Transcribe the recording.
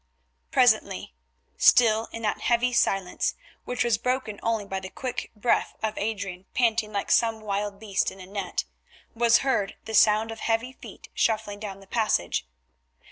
Presently, still in that heavy silence, which was broken only by the quick breath of Adrian panting like some wild beast in a net, was heard the sound of heavy feet shuffling down the passage.